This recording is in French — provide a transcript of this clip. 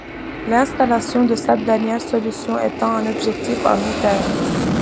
L’installation de cette dernière solution étant un objectif à long terme.